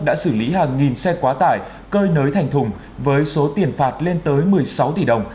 đã xử lý hàng nghìn xe quá tải cơi nới thành thùng với số tiền phạt lên tới một mươi sáu tỷ đồng